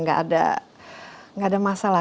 gak ada masalah